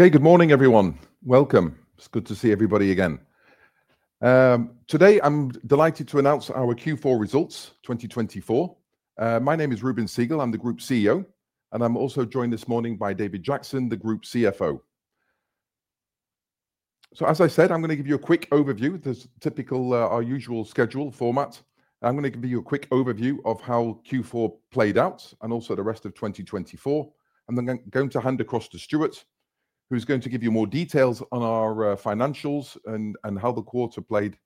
Okay, good morning, everyone. Welcome. It's good to see everybody again. Today, I'm delighted to announce our Q4 results 2024. My name is Reuben Segal. I'm the Group CEO, and I'm also joined this morning by David Jackson, the Group CFO. As I said, I'm going to give you a quick overview, the typical, our usual schedule format. I'm going to give you a quick overview of how Q4 played out and also the rest of 2024. I am going to hand across to Stuart, who's going to give you more details on our financials and how the quarter played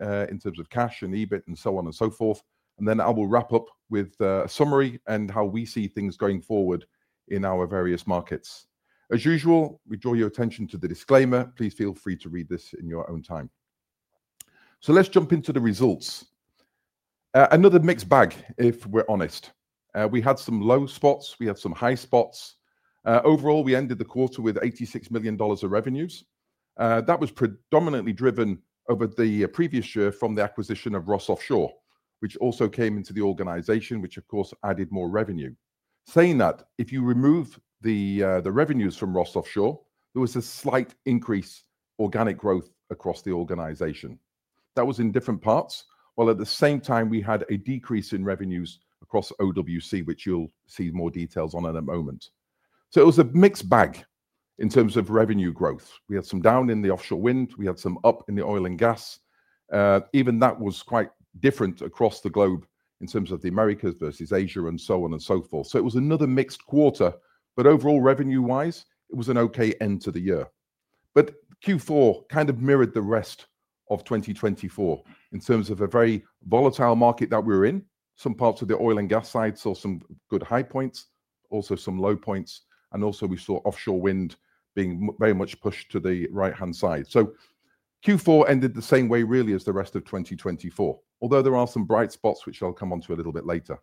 in terms of cash and EBIT and so on and so forth. I will wrap up with a summary and how we see things going forward in our various markets. As usual, we draw your attention to the disclaimer. Please feel free to read this in your own time. Let's jump into the results. Another mixed bag, if we're honest. We had some low spots. We had some high spots. Overall, we ended the quarter with $86 million of revenues. That was predominantly driven over the previous year from the acquisition of Ross Offshore, which also came into the organization, which, of course, added more revenue. Saying that, if you remove the revenues from Ross Offshore, there was a slight increase in organic growth across the organization. That was in different parts, while at the same time, we had a decrease in revenues across OWC, which you'll see more details on in a moment. It was a mixed bag in terms of revenue growth. We had some down in the offshore wind. We had some up in the oil and gas. Even that was quite different across the globe in terms of the Americas versus Asia and so on and so forth. It was another mixed quarter, but overall, revenue-wise, it was an okay end to the year. Q4 kind of mirrored the rest of 2024 in terms of a very volatile market that we're in. Some parts of the oil and gas sites saw some good high points, also some low points, and also we saw offshore wind being very much pushed to the right-hand side. Q4 ended the same way, really, as the rest of 2024, although there are some bright spots, which I'll come on to a little bit later.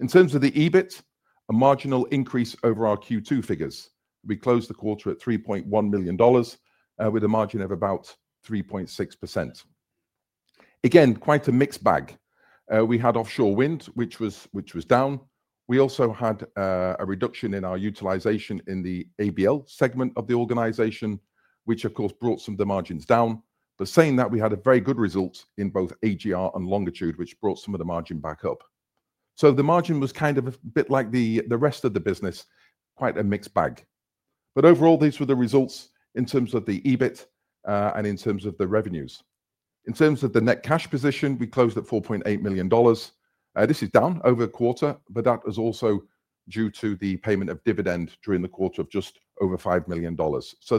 In terms of the EBIT, a marginal increase over our Q2 figures. We closed the quarter at $3.1 million with a margin of about 3.6%. Again, quite a mixed bag. We had offshore wind, which was down. We also had a reduction in our utilization in the ABL segment of the organization, which, of course, brought some of the margins down. Saying that, we had a very good result in both AGR and Longitude, which brought some of the margin back up. The margin was kind of a bit like the rest of the business, quite a mixed bag. Overall, these were the results in terms of the EBIT and in terms of the revenues. In terms of the net cash position, we closed at $4.8 million. This is down over a quarter, but that is also due to the payment of dividend during the quarter of just over $5 million. There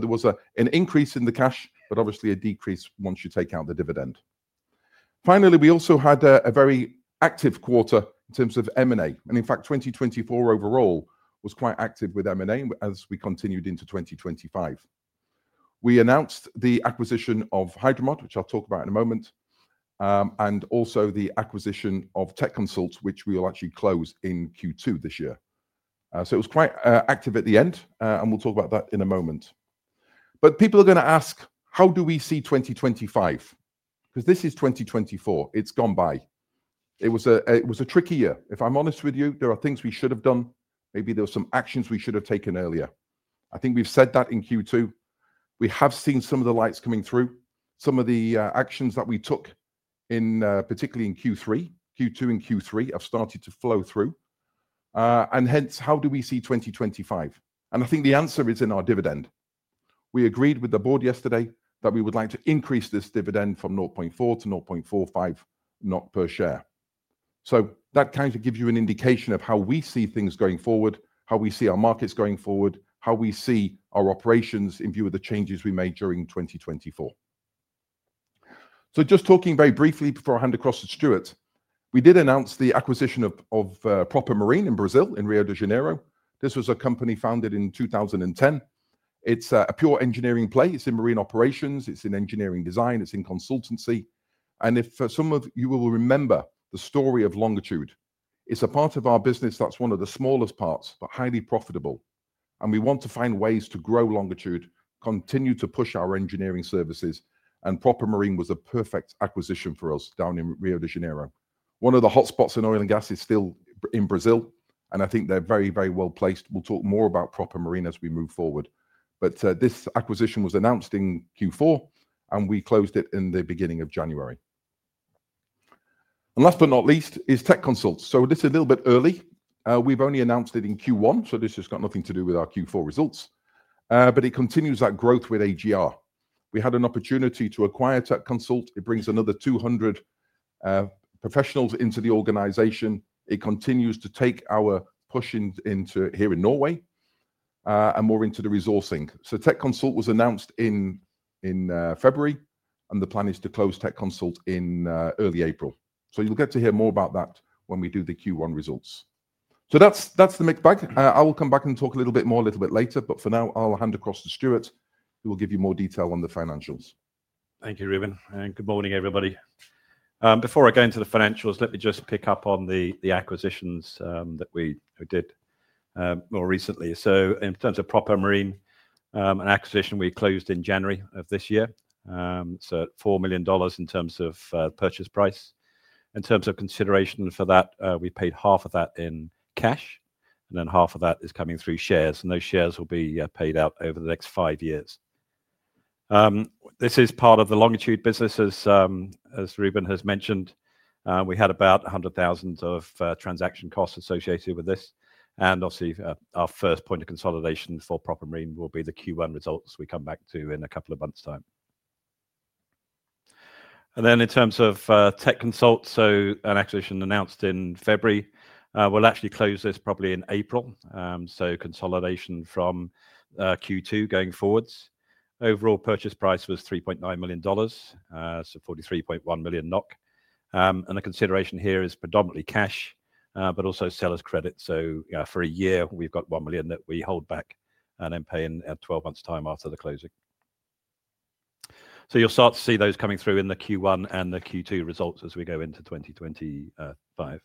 was an increase in the cash, but obviously a decrease once you take out the dividend. Finally, we also had a very active quarter in terms of M&A. In fact, 2024 overall was quite active with M&A as we continued into 2025. We announced the acquisition of Hidromod, which I'll talk about in a moment, and also the acquisition of Techconsult, which we will actually close in Q2 this year. It was quite active at the end, and we'll talk about that in a moment. People are going to ask, how do we see 2025? Because this is 2024. It's gone by. It was a tricky year. If I'm honest with you, there are things we should have done. Maybe there were some actions we should have taken earlier. I think we've said that in Q2. We have seen some of the lights coming through. Some of the actions that we took, particularly in Q2 and Q3, have started to flow through. Hence, how do we see 2025? I think the answer is in our dividend. We agreed with the board yesterday that we would like to increase this dividend from 0.4 to 0.45 per share. That kind of gives you an indication of how we see things going forward, how we see our markets going forward, how we see our operations in view of the changes we made during 2024. Just talking very briefly before I hand across to Stuart, we did announce the acquisition of Proper Marine in Brazil, in Rio de Janeiro. This was a company founded in 2010. It is a pure engineering play. It is in marine operations. It is in engineering design. It is in consultancy. If some of you will remember the story of Longitude, it is a part of our business that is one of the smallest parts, but highly profitable. We want to find ways to grow Longitude, continue to push our engineering services, and Proper Marine was a perfect acquisition for us down in Rio de Janeiro. One of the hotspots in oil and gas is still in Brazil, and I think they're very, very well placed. We'll talk more about Proper Marine as we move forward. This acquisition was announced in Q4, and we closed it in the beginning of January. Last but not least is Techconsult. This is a little bit early. We've only announced it in Q1, so this has got nothing to do with our Q4 results. It continues that growth with AGR. We had an opportunity to acquire Techconsult. It brings another 200 professionals into the organization. It continues to take our push here in Norway and more into the resourcing. Techconsult was announced in February, and the plan is to close Techconsult in early April. You will get to hear more about that when we do the Q1 results. That is the mixed bag. I will come back and talk a little bit more a little bit later, but for now, I will hand across to Stuart, who will give you more detail on the financials. Thank you, Reuben. Good morning, everybody. Before I go into the financials, let me just pick up on the acquisitions that we did more recently. In terms of Proper Marine, an acquisition we closed in January of this year, $4 million in terms of purchase price. In terms of consideration for that, we paid half of that in cash, and then half of that is coming through shares. Those shares will be paid out over the next five years. This is part of the Longitude business, as Reuben has mentioned. We had about $100,000 of transaction costs associated with this. Obviously, our first point of consolidation for Proper Marine will be the Q1 results we come back to in a couple of months' time. In terms of Techconsult, an acquisition announced in February, we will actually close this probably in April. Consolidation from Q2 going forwards. Overall purchase price was $3.9 million, so 43.1 million NOK. The consideration here is predominantly cash, but also seller's credit. For a year, we have $1 million that we hold back and then pay in 12 months' time after the closing. You will start to see those coming through in the Q1 and the Q2 results as we go into 2025.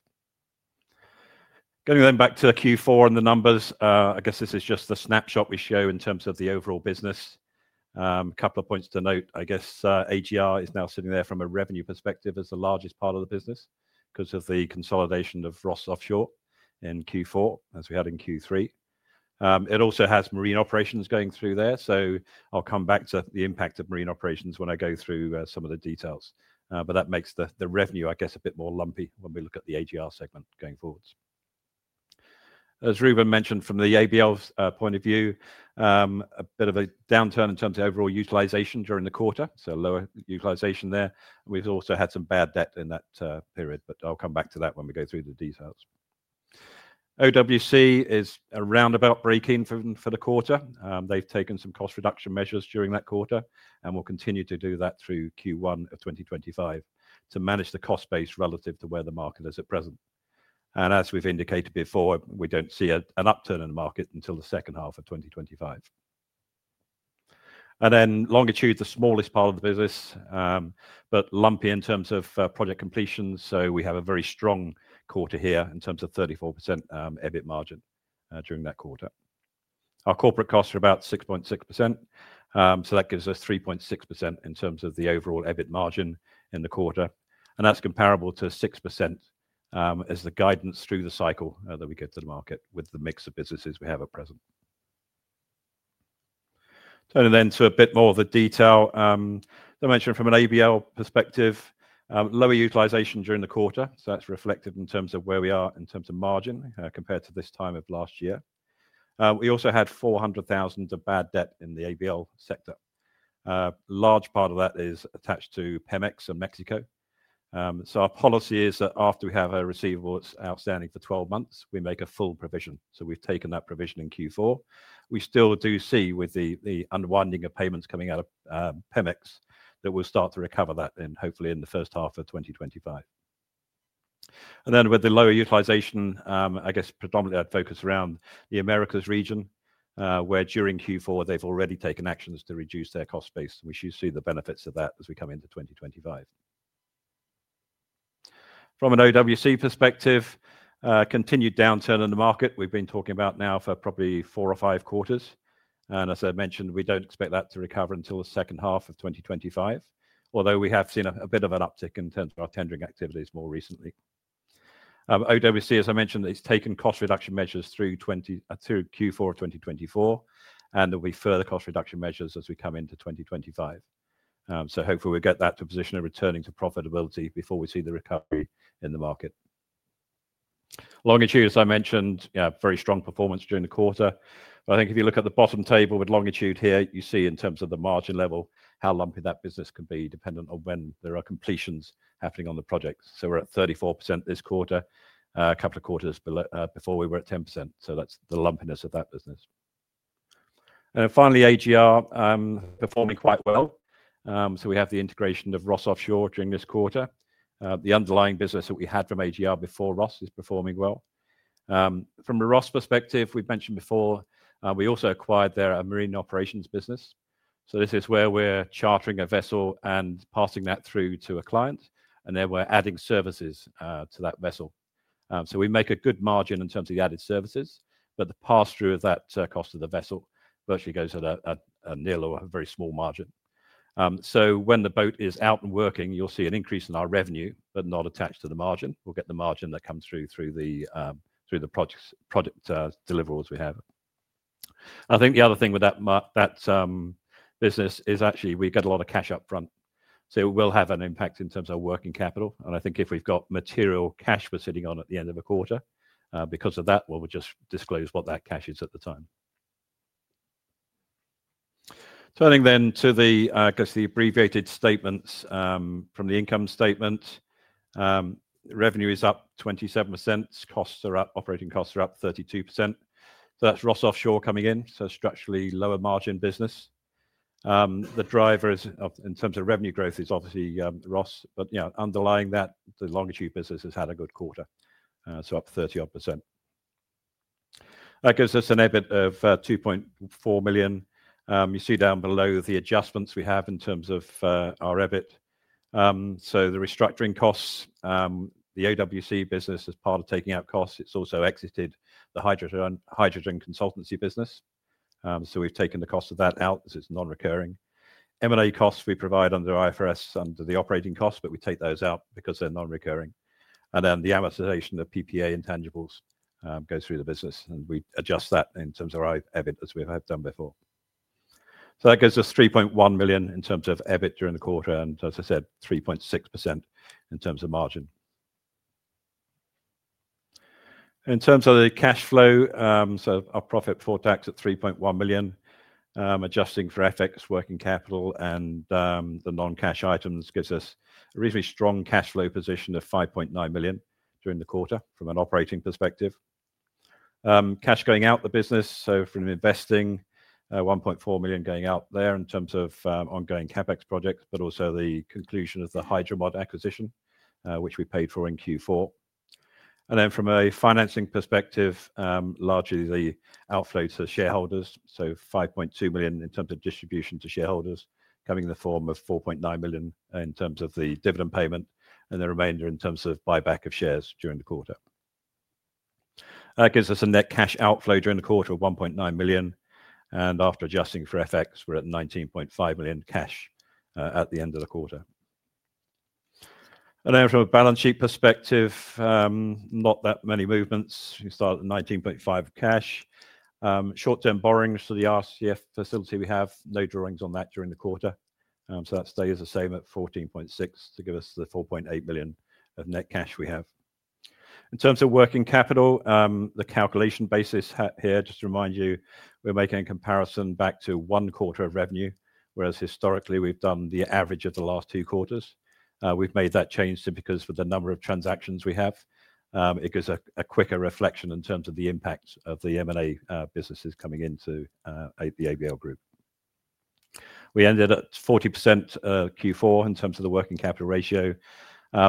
Going then back to Q4 and the numbers, I guess this is just a snapshot we show in terms of the overall business. A couple of points to note, I guess AGR is now sitting there from a revenue perspective as the largest part of the business because of the consolidation of Ross Offshore in Q4, as we had in Q3. It also has marine operations going through there. I'll come back to the impact of marine operations when I go through some of the details. That makes the revenue, I guess, a bit more lumpy when we look at the AGR segment going forwards. As Reuben mentioned, from the ABL point of view, a bit of a downturn in terms of overall utilization during the quarter, so lower utilization there. We've also had some bad debt in that period, but I'll come back to that when we go through the details. OWC is a roundabout break-even for the quarter. They've taken some cost reduction measures during that quarter and will continue to do that through Q1 of 2025 to manage the cost base relative to where the market is at present. As we've indicated before, we don't see an upturn in the market until the second half of 2025. Longitude, the smallest part of the business, but lumpy in terms of project completion. We have a very strong quarter here in terms of 34% EBIT margin during that quarter. Our corporate costs are about 6.6%. That gives us 3.6% in terms of the overall EBIT margin in the quarter. That is comparable to 6% as the guidance through the cycle that we get to the market with the mix of businesses we have at present. Turning then to a bit more of the detail, as I mentioned, from an ABL perspective, lower utilization during the quarter. That is reflected in terms of where we are in terms of margin compared to this time of last year. We also had $400,000 of bad debt in the ABL sector. A large part of that is attached to Pemex and Mexico. Our policy is that after we have a receivable that's outstanding for 12 months, we make a full provision. We have taken that provision in Q4. We still do see with the unwinding of payments coming out of Pemex that we will start to recover that hopefully in the first half of 2025. With the lower utilization, I guess predominantly I would focus around the Americas region, where during Q4 they have already taken actions to reduce their cost base. We should see the benefits of that as we come into 2025. From an OWC perspective, continued downturn in the market. We have been talking about that now for probably four or five quarters. As I mentioned, we do not expect that to recover until the second half of 2025, although we have seen a bit of an uptick in terms of our tendering activities more recently. OWC, as I mentioned, has taken cost reduction measures through Q4 of 2024, and there will be further cost reduction measures as we come into 2025. Hopefully we get that to position a returning to profitability before we see the recovery in the market. Longitude, as I mentioned, very strong performance during the quarter. I think if you look at the bottom table with Longitude here, you see in terms of the margin level how lumpy that business can be dependent on when there are completions happening on the project. We are at 34% this quarter, a couple of quarters before we were at 10%. That is the lumpiness of that business. Finally, AGR performing quite well. We have the integration of Ross Offshore during this quarter. The underlying business that we had from AGR before Ross is performing well. From a Ross perspective, we've mentioned before, we also acquired their marine operations business. This is where we're chartering a vessel and passing that through to a client, and then we're adding services to that vessel. We make a good margin in terms of the added services, but the pass-through of that cost of the vessel virtually goes at a near low, a very small margin. When the boat is out and working, you'll see an increase in our revenue, but not attached to the margin. We'll get the margin that comes through through the project deliverables we have. I think the other thing with that business is actually we get a lot of cash upfront. It will have an impact in terms of our working capital. I think if we've got material cash we're sitting on at the end of a quarter, because of that, we'll just disclose what that cash is at the time. Turning then to the abbreviated statements from the income statement, revenue is up 27%. Operating costs are up 32%. That is Ross Offshore coming in, so structurally lower margin business. The driver in terms of revenue growth is obviously Ross, but underlying that, the Longitude business has had a good quarter, so up 30%. That gives us an EBIT of $2.4 million. You see down below the adjustments we have in terms of our EBIT. The restructuring costs, the OWC business as part of taking out costs, it has also exited the hydrogen consultancy business. We have taken the cost of that out because it is non-recurring. M&A costs we provide under IFRS under the operating costs, but we take those out because they're non-recurring. The amortization of PPA intangibles goes through the business, and we adjust that in terms of our EBIT as we have done before. That gives us $3.1 million in terms of EBIT during the quarter, and as I said, 3.6% in terms of margin. In terms of the cash flow, our profit before tax at $3.1 million, adjusting for FX, working capital, and the non-cash items gives us a reasonably strong cash flow position of $5.9 million during the quarter from an operating perspective. Cash going out of the business from investing, $1.4 million going out there in terms of ongoing CapEx projects, but also the conclusion of the Hidromod acquisition, which we paid for in Q4. From a financing perspective, largely the outflows to shareholders, so $5.2 million in terms of distribution to shareholders coming in the form of $4.9 million in terms of the dividend payment and the remainder in terms of buyback of shares during the quarter. That gives us a net cash outflow during the quarter of $1.9 million. After adjusting for FX, we are at $19.5 million cash at the end of the quarter. From a balance sheet perspective, not that many movements. We start at $19.5 million cash. Short-term borrowings for the RCF facility we have, no drawings on that during the quarter. That stays the same at $14.6 million to give us the $4.8 million of net cash we have. In terms of working capital, the calculation basis here, just to remind you, we're making a comparison back to one quarter of revenue, whereas historically we've done the average of the last two quarters. We've made that change simply because for the number of transactions we have, it gives a quicker reflection in terms of the impact of the M&A businesses coming into the ABL Group. We ended at 40% Q4 in terms of the working capital ratio.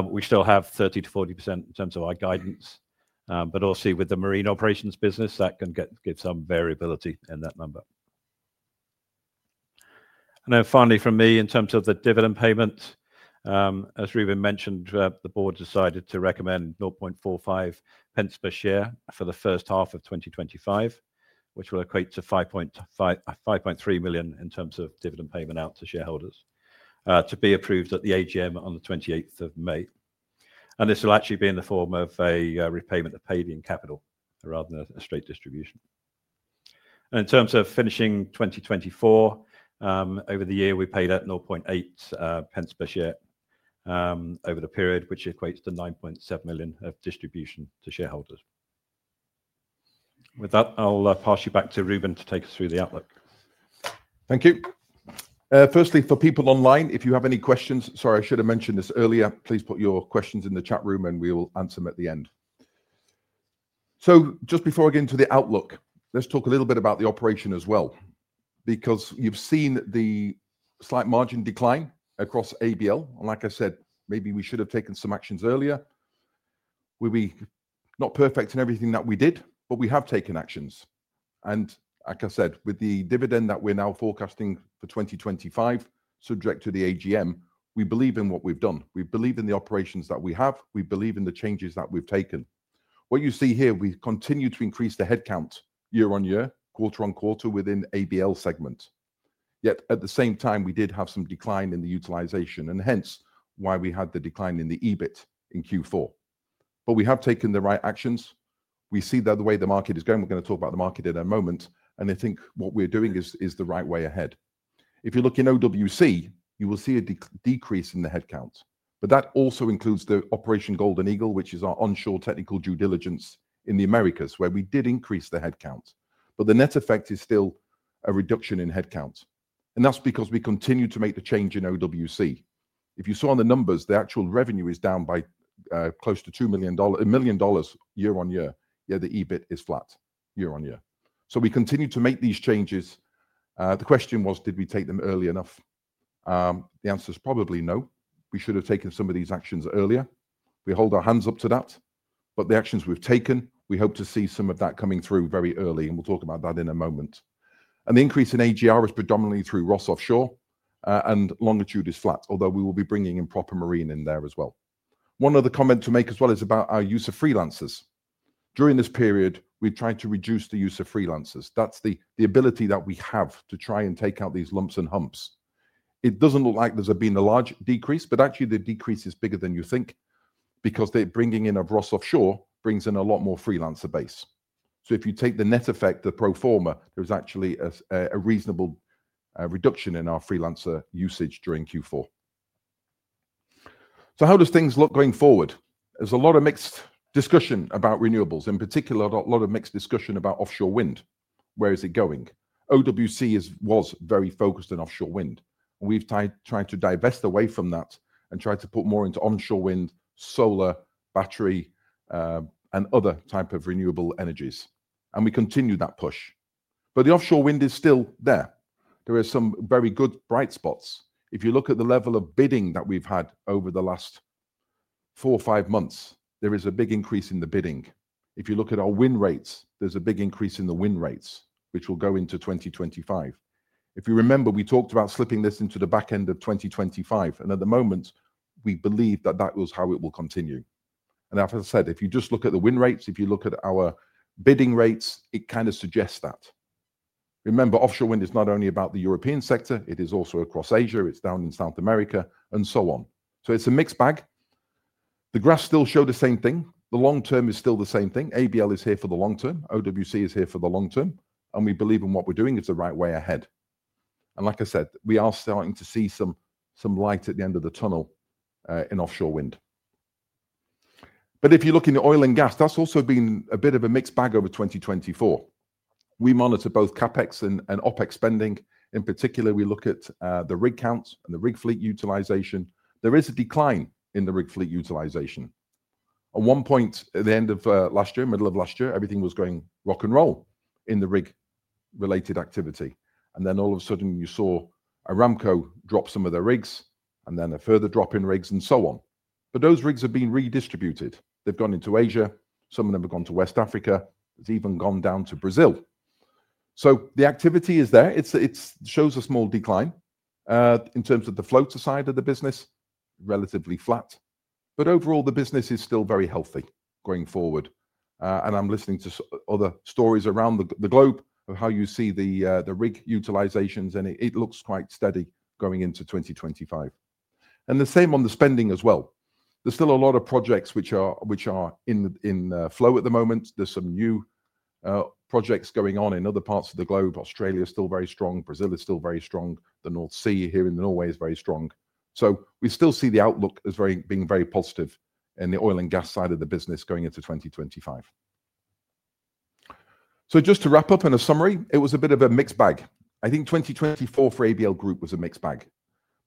We still have 30%-40% in terms of our guidance, but obviously with the marine operations business, that can give some variability in that number. Finally for me, in terms of the dividend payment, as Reuben mentioned, the board decided to recommend 0.45 per share for the first half of 2025, which will equate to 5.3 million in terms of dividend payment out to shareholders to be approved at the AGM on the 28th of May. This will actually be in the form of a repayment of paid-in capital rather than a straight distribution. In terms of finishing 2024, over the year we paid out 0.8 per share over the period, which equates to 9.7 million of distribution to shareholders. With that, I'll pass you back to Reuben to take us through the outlook. Thank you. Firstly, for people online, if you have any questions, sorry, I should have mentioned this earlier, please put your questions in the chat room and we will answer them at the end. Just before we get into the outlook, let's talk a little bit about the operation as well, because you've seen the slight margin decline across ABL. Like I said, maybe we should have taken some actions earlier. We will not be perfect in everything that we did, but we have taken actions. Like I said, with the dividend that we're now forecasting for 2025, subject to the AGM, we believe in what we've done. We believe in the operations that we have. We believe in the changes that we've taken. What you see here, we continue to increase the headcount year on year, quarter on quarter within ABL segment. Yet at the same time, we did have some decline in the utilization and hence why we had the decline in the EBIT in Q4. We have taken the right actions. We see that the way the market is going, we're going to talk about the market in a moment. I think what we're doing is the right way ahead. If you look in OWC, you will see a decrease in the headcount. That also includes the Operation Golden Eagle, which is our onshore technical due diligence in the Americas, where we did increase the headcount. The net effect is still a reduction in headcount. That is because we continue to make the change in OWC. If you saw on the numbers, the actual revenue is down by close to $2 million, a million dollars year on year. Yet the EBIT is flat year on year. We continue to make these changes. The question was, did we take them early enough? The answer is probably no. We should have taken some of these actions earlier. We hold our hands up to that. The actions we have taken, we hope to see some of that coming through very early, and we will talk about that in a moment. The increase in AGR is predominantly through Ross Offshore, and Longitude is flat, although we will be bringing in Proper Marine in there as well. One other comment to make as well is about our use of freelancers. During this period, we have tried to reduce the use of freelancers. That is the ability that we have to try and take out these lumps and humps. It doesn't look like there's been a large decrease, but actually the decrease is bigger than you think because bringing in Ross Offshore brings in a lot more freelancer base. If you take the net effect of pro forma, there's actually a reasonable reduction in our freelancer usage during Q4. How do things look going forward? There's a lot of mixed discussion about renewables, in particular, a lot of mixed discussion about offshore wind. Where is it going? OWC was very focused on offshore wind. We've tried to divest away from that and tried to put more into onshore wind, solar, battery, and other types of renewable energies. We continue that push. The offshore wind is still there. There are some very good bright spots. If you look at the level of bidding that we've had over the last four or five months, there is a big increase in the bidding. If you look at our win rates, there's a big increase in the win rates, which will go into 2025. If you remember, we talked about slipping this into the back end of 2025, and at the moment, we believe that that was how it will continue. As I said, if you just look at the win rates, if you look at our bidding rates, it kind of suggests that. Remember, offshore wind is not only about the European sector, it is also across Asia, it's down in South America, and so on. It is a mixed bag. The graph still showed the same thing. The long term is still the same thing. ABL is here for the long term. OWC is here for the long term. We believe in what we're doing is the right way ahead. Like I said, we are starting to see some light at the end of the tunnel in offshore wind. If you look into oil and gas, that's also been a bit of a mixed bag over 2024. We monitor both CapEx and OpEx spending. In particular, we look at the rig counts and the rig fleet utilization. There is a decline in the rig fleet utilization. At one point at the end of last year, middle of last year, everything was going rock and roll in the rig-related activity. All of a sudden, you saw Saudi Aramco drop some of their rigs and then a further drop in rigs and so on. Those rigs have been redistributed. They've gone into Asia. Some of them have gone to West Africa. It's even gone down to Brazil. The activity is there. It shows a small decline in terms of the floater side of the business, relatively flat. Overall, the business is still very healthy going forward. I'm listening to other stories around the globe of how you see the rig utilizations, and it looks quite steady going into 2025. The same on the spending as well. There's still a lot of projects which are in flow at the moment. There's some new projects going on in other parts of the globe. Australia is still very strong. Brazil is still very strong. The North Sea here in Norway is very strong. We still see the outlook as being very positive in the oil and gas side of the business going into 2025. To wrap up in a summary, it was a bit of a mixed bag. I think 2024 for ABL Group was a mixed bag.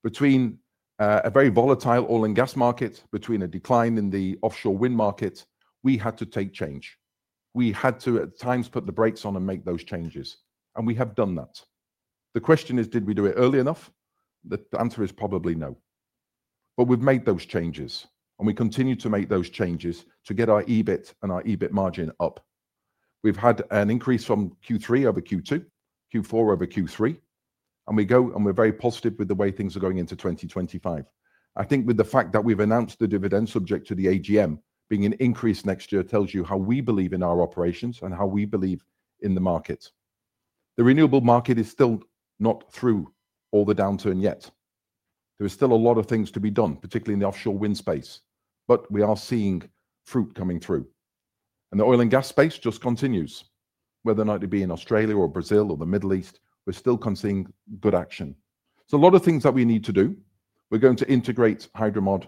Between a very volatile oil and gas market, between a decline in the offshore wind market, we had to take change. We had to at times put the brakes on and make those changes. We have done that. The question is, did we do it early enough? The answer is probably no. We have made those changes, and we continue to make those changes to get our EBIT and our EBIT margin up. We have had an increase from Q3 over Q2, Q4 over Q3, and we go and we are very positive with the way things are going into 2025. I think with the fact that we've announced the dividend subject to the AGM being an increase next year tells you how we believe in our operations and how we believe in the market. The renewable market is still not through all the downturn yet. There are still a lot of things to be done, particularly in the offshore wind space, but we are seeing fruit coming through. The oil and gas space just continues. Whether or not it be in Australia or Brazil or the Middle East, we're still seeing good action. There's a lot of things that we need to do. We're going to integrate Hidromod,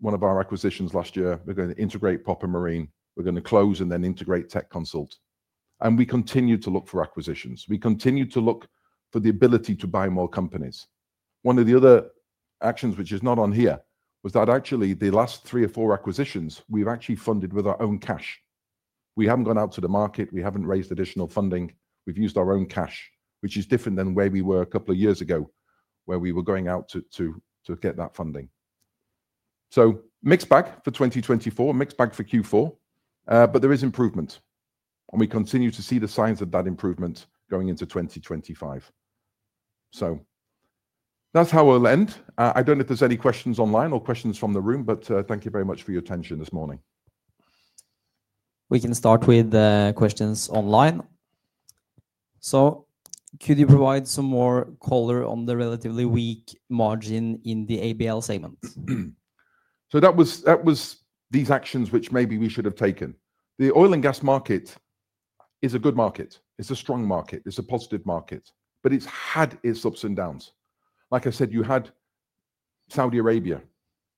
one of our acquisitions last year. We're going to integrate Proper Marine. We're going to close and then integrate Techconsult. We continue to look for acquisitions. We continue to look for the ability to buy more companies. One of the other actions, which is not on here, was that actually the last three or four acquisitions, we've actually funded with our own cash. We haven't gone out to the market. We haven't raised additional funding. We've used our own cash, which is different than where we were a couple of years ago, where we were going out to get that funding. Mixed bag for 2024, mixed bag for Q4, but there is improvement. We continue to see the signs of that improvement going into 2025. That's how we'll end. I don't know if there's any questions online or questions from the room, but thank you very much for your attention this morning. We can start with the questions online. Could you provide some more color on the relatively weak margin in the ABL segment? That was these actions which maybe we should have taken. The oil and gas market is a good market. It's a strong market. It's a positive market, but it's had its ups and downs. Like I said, you had Saudi Arabia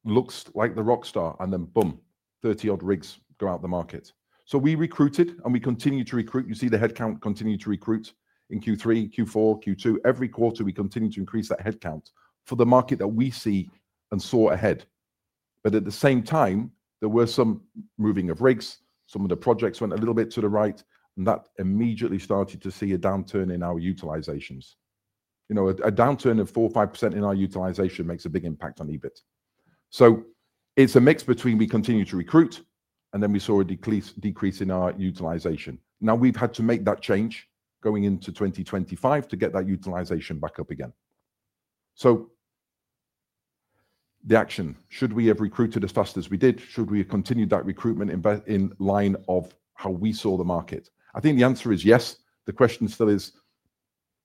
looks like the rock star and then boom, 30-odd rigs go out of the market. We recruited and we continue to recruit. You see the headcount continue to recruit in Q3, Q4, Q2. Every quarter we continue to increase that headcount for the market that we see and saw ahead. At the same time, there were some moving of rigs. Some of the projects went a little bit to the right, and that immediately started to see a downturn in our utilizations. You know, a downturn of 4%-5% in our utilization makes a big impact on EBIT. It is a mix between we continue to recruit and then we saw a decrease in our utilization. Now we have had to make that change going into 2025 to get that utilization back up again. The action, should we have recruited as fast as we did? Should we have continued that recruitment in line of how we saw the market? I think the answer is yes. The question still is,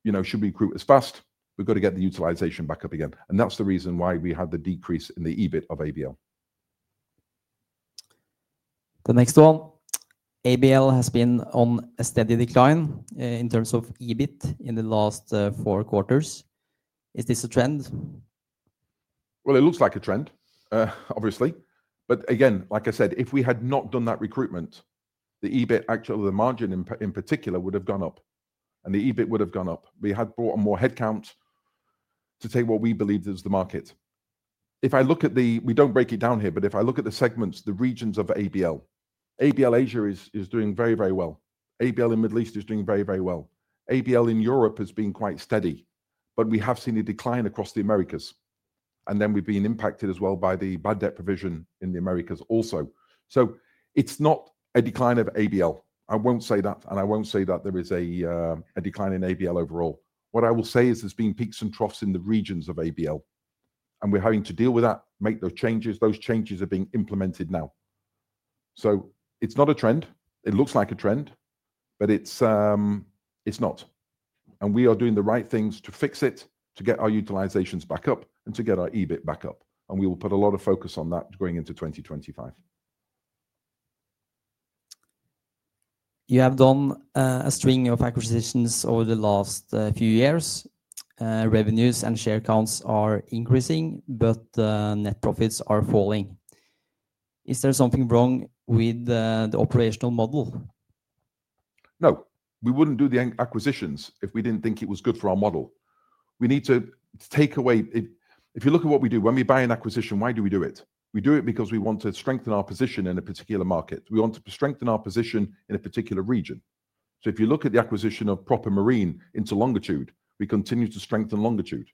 you know, should we recruit as fast? We have got to get the utilization back up again. That is the reason why we had the decrease in the EBIT of ABL. The next one, ABL has been on a steady decline in terms of EBIT in the last four quarters. Is this a trend? It looks like a trend, obviously. Like I said, if we had not done that recruitment, the EBIT, actually the margin in particular, would have gone up and the EBIT would have gone up. We had brought on more headcount to take what we believed is the market. If I look at the, we do not break it down here, but if I look at the segments, the regions of ABL, ABL Asia is doing very, very well. ABL in the Middle East is doing very, very well. ABL in Europe has been quite steady, but we have seen a decline across the Americas. We have been impacted as well by the bad debt provision in the Americas also. It is not a decline of ABL. I will not say that, and I will not say that there is a decline in ABL overall. What I will say is there's been peaks and troughs in the regions of ABL, and we're having to deal with that, make those changes. Those changes are being implemented now. It is not a trend. It looks like a trend, but it's not. We are doing the right things to fix it, to get our utilizations back up, and to get our EBIT back up. We will put a lot of focus on that going into 2025. You have done a string of acquisitions over the last few years. Revenues and share counts are increasing, but net profits are falling. Is there something wrong with the operational model? No, we wouldn't do the acquisitions if we didn't think it was good for our model. We need to take away, if you look at what we do, when we buy an acquisition, why do we do it? We do it because we want to strengthen our position in a particular market. We want to strengthen our position in a particular region. If you look at the acquisition of Proper Marine into Longitude, we continue to strengthen Longitude.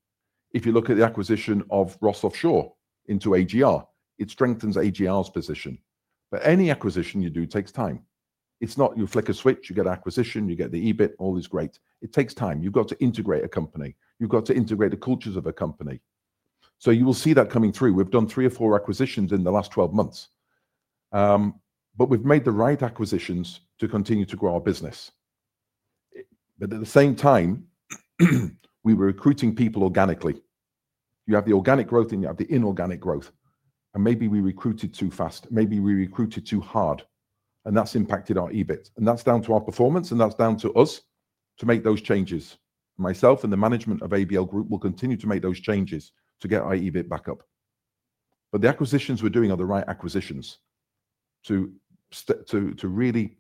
If you look at the acquisition of Ross Offshore into AGR, it strengthens AGR's position. Any acquisition you do takes time. It's not you flick a switch, you get an acquisition, you get the EBIT, all is great. It takes time. You've got to integrate a company. You've got to integrate the cultures of a company. You will see that coming through. We've done three or four acquisitions in the last 12 months. We've made the right acquisitions to continue to grow our business. At the same time, we were recruiting people organically. You have the organic growth and you have the inorganic growth. Maybe we recruited too fast. Maybe we recruited too hard. That's impacted our EBIT. That's down to our performance and that's down to us to make those changes. Myself and the management of ABL Group will continue to make those changes to get our EBIT back up. The acquisitions we're doing are the right acquisitions to really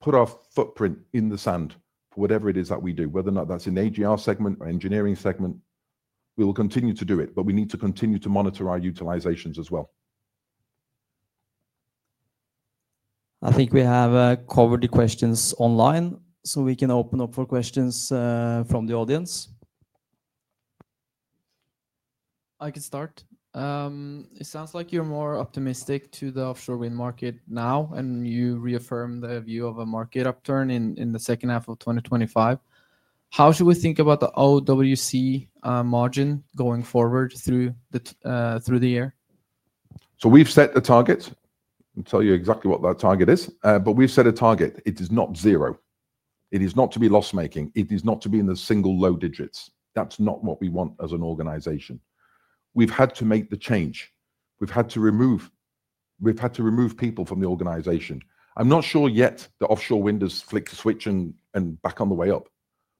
put our footprint in the sand for whatever it is that we do, whether or not that's in the AGR segment or engineering segment. We will continue to do it, but we need to continue to monitor our utilizations as well. I think we have covered the questions online, so we can open up for questions from the audience. I could start. It sounds like you're more optimistic to the offshore wind market now, and you reaffirmed the view of a market upturn in the second half of 2025. How should we think about the OWC margin going forward through the year? We have set a target. I'll tell you exactly what that target is. We have set a target. It is not zero. It is not to be loss-making. It is not to be in the single low digits. That is not what we want as an organization. We have had to make the change. We have had to remove people from the organization. I'm not sure yet the offshore wind has flicked a switch and back on the way up.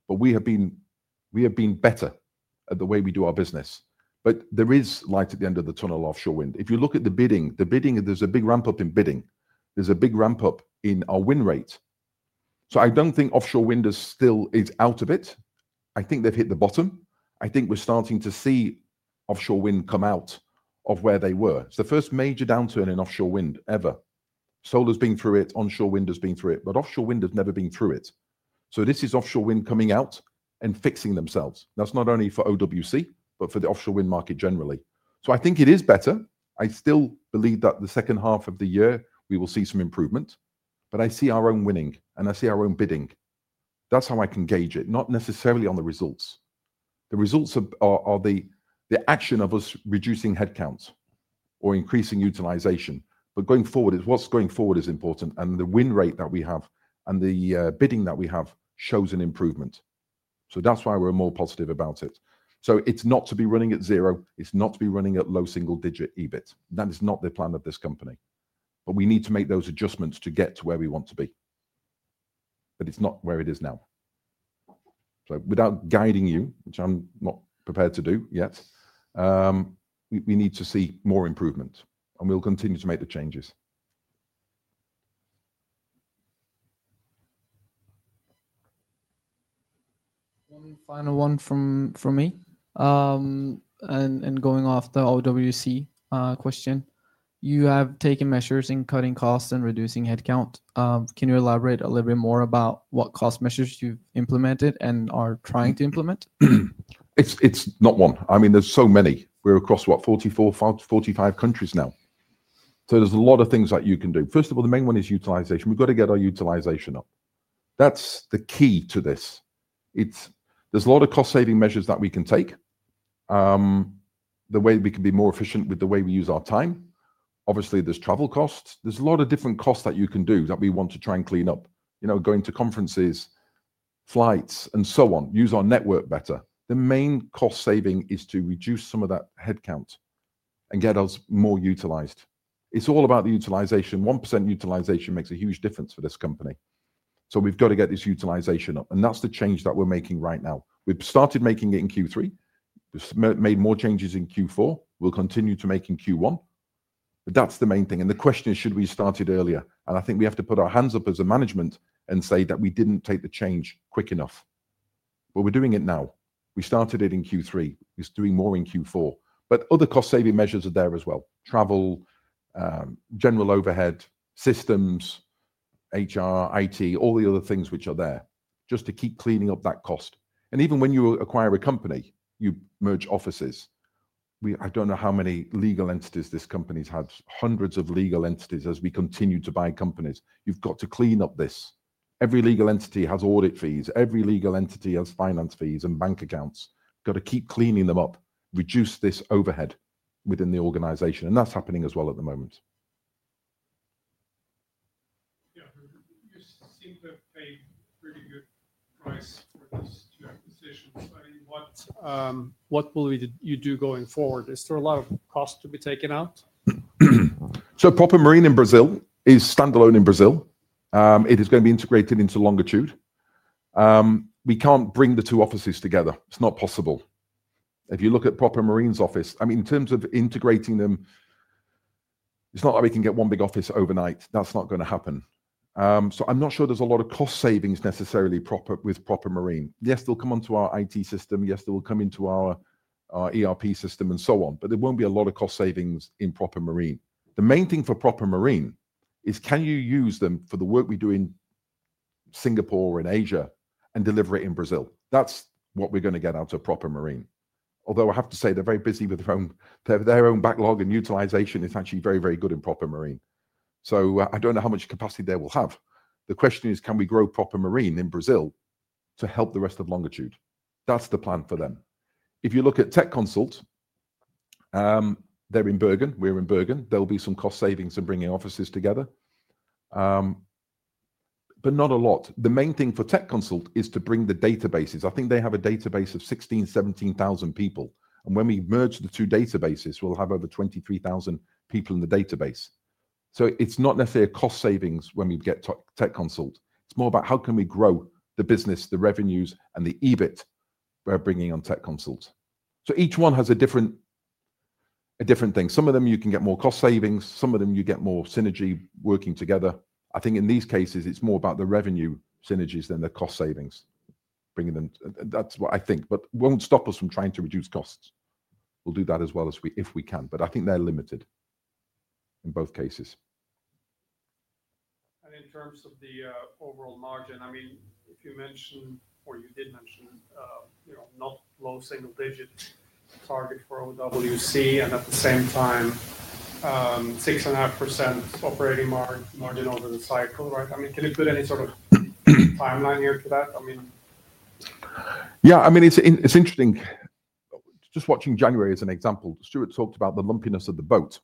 We have been better at the way we do our business. There is light at the end of the tunnel offshore wind. If you look at the bidding, there is a big ramp up in bidding. There is a big ramp up in our win rate. I do not think offshore wind is out of it. I think they have hit the bottom. I think we're starting to see offshore wind come out of where they were. It's the first major downturn in offshore wind ever. Solar's been through it. Onshore wind has been through it. But offshore wind has never been through it. This is offshore wind coming out and fixing themselves. That's not only for OWC, but for the offshore wind market generally. I think it is better. I still believe that the second half of the year, we will see some improvement. I see our own winning, and I see our own bidding. That's how I can gauge it, not necessarily on the results. The results are the action of us reducing headcounts or increasing utilization. Going forward, what's going forward is important. The win rate that we have and the bidding that we have shows an improvement. That is why we're more positive about it. It is not to be running at zero. It is not to be running at low single digit EBIT. That is not the plan of this company. We need to make those adjustments to get to where we want to be. It is not where it is now. Without guiding you, which I'm not prepared to do yet, we need to see more improvement. We will continue to make the changes. One final one from me. Going off the OWC question, you have taken measures in cutting costs and reducing headcount. Can you elaborate a little bit more about what cost measures you've implemented and are trying to implement? It's not one. I mean, there's so many. We're across, what, 44-45 countries now. There are a lot of things that you can do. First of all, the main one is utilization. We've got to get our utilization up. That's the key to this. There are a lot of cost-saving measures that we can take. The way we can be more efficient with the way we use our time. Obviously, there are travel costs. There are a lot of different costs that you can do that we want to try and clean up. Going to conferences, flights, and so on. Use our network better. The main cost saving is to reduce some of that headcount and get us more utilized. It's all about the utilization. 1% utilization makes a huge difference for this company. We've got to get this utilization up. That's the change that we're making right now. We've started making it in Q3. We've made more changes in Q4. We'll continue to make in Q1. That's the main thing. The question is, should we have started earlier? I think we have to put our hands up as a management and say that we didn't take the change quick enough. We're doing it now. We started it in Q3. We're doing more in Q4. Other cost-saving measures are there as well. Travel, general overhead, systems, HR, IT, all the other things which are there just to keep cleaning up that cost. Even when you acquire a company, you merge offices. I don't know how many legal entities this company's had. Hundreds of legal entities as we continue to buy companies. You've got to clean up this. Every legal entity has audit fees. Every legal entity has finance fees and bank accounts. Got to keep cleaning them up. Reduce this overhead within the organization. That is happening as well at the moment. Yeah. You seem to have paid a pretty good price for these two acquisitions. What will you do going forward? Is there a lot of cost to be taken out? Proper Marine in Brazil is standalone in Brazil. It is going to be integrated into Longitude. We can't bring the two offices together. It's not possible. If you look at Proper Marine's office, I mean, in terms of integrating them, it's not like we can get one big office overnight. That's not going to happen. I'm not sure there's a lot of cost savings necessarily with Proper Marine. Yes, they'll come onto our IT system. Yes, they will come into our ERP system and so on. There won't be a lot of cost savings in Proper Marine. The main thing for Proper Marine is, can you use them for the work we do in Singapore or in Asia and deliver it in Brazil? That's what we're going to get out of Proper Marine. Although I have to say, they're very busy with their own backlog and utilization. It's actually very, very good in Proper Marine. I don't know how much capacity they will have. The question is, can we grow Proper Marine in Brazil to help the rest of Longitude? That's the plan for them. If you look at Techconsult, they're in Bergen. We're in Bergen. There will be some cost savings in bringing offices together. Not a lot. The main thing for Techconsult is to bring the databases. I think they have a database of 16,000, 17,000 people. When we merge the two databases, we'll have over 23,000 people in the database. It's not necessarily a cost savings when we get Techconsult. It's more about how can we grow the business, the revenues, and the EBIT we're bringing on Techconsult. Each one has a different thing. Some of them you can get more cost savings. Some of them you get more synergy working together. I think in these cases, it's more about the revenue synergies than the cost savings. That's what I think. It won't stop us from trying to reduce costs. We'll do that as well if we can. I think they're limited in both cases. In terms of the overall margin, I mean, you mentioned, or you did mention, not low single digit target for OWC and at the same time, 6.5% operating margin over the cycle, right? I mean, can you put any sort of timeline here to that? I mean. Yeah, I mean, it's interesting. Just watching January as an example, Stuart talked about the lumpiness of the boat.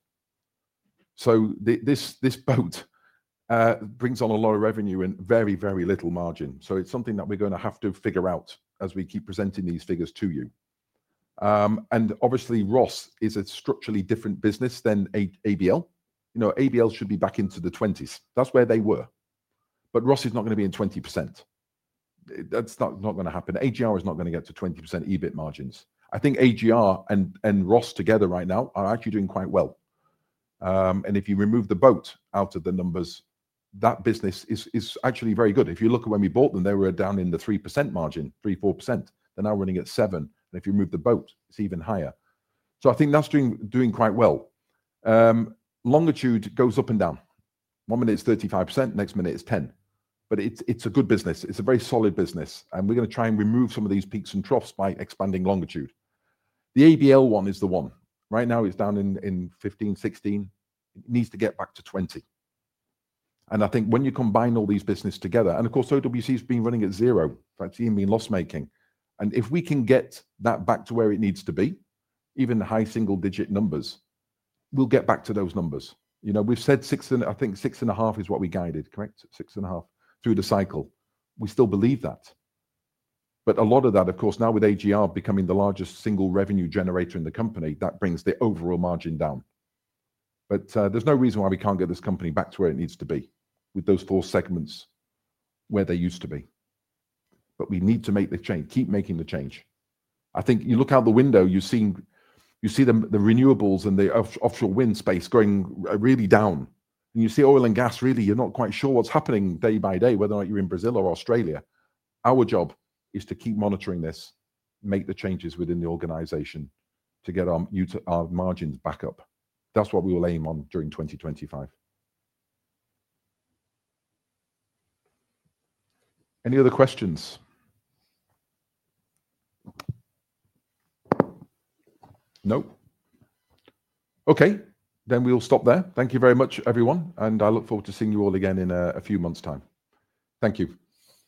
This boat brings on a lot of revenue and very, very little margin. It is something that we're going to have to figure out as we keep presenting these figures to you. Obviously, Ross is a structurally different business than ABL. ABL should be back into the 20s. That's where they were. Ross is not going to be in 20%. That's not going to happen. AGR is not going to get to 20% EBIT margins. I think AGR and Ross together right now are actually doing quite well. If you remove the boat out of the numbers, that business is actually very good. If you look at when we bought them, they were down in the 3% margin, 3, 4%. They're now running at 7%. If you remove the boat, it's even higher. I think that's doing quite well. Longitude goes up and down. One minute it's 35%, next minute it's 10%. It's a good business. It's a very solid business. We're going to try and remove some of these peaks and troughs by expanding Longitude. The ABL one is the one. Right now it's down in 15-16%. It needs to get back to 20%. I think when you combine all these businesses together, and of course, OWC has been running at zero. That's even been loss-making. If we can get that back to where it needs to be, even high single digit numbers, we'll get back to those numbers. We've said, I think, 6.5% is what we guided, correct? 6.5% through the cycle. We still believe that. A lot of that, of course, now with AGR becoming the largest single revenue generator in the company, brings the overall margin down. There is no reason why we can't get this company back to where it needs to be with those four segments where they used to be. We need to make the change. Keep making the change. I think you look out the window, you see the renewables and the offshore wind space going really down. You see oil and gas, really, you're not quite sure what's happening day by day, whether or not you're in Brazil or Australia. Our job is to keep monitoring this, make the changes within the organization to get our margins back up. That is what we will aim on during 2025. Any other questions? Nope? Okay. We will stop there. Thank you very much, everyone. I look forward to seeing you all again in a few months' time. Thank you.